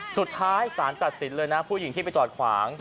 สุดท้ายสารตัดสินเลยนะผู้หญิงที่ไปจอดขวาง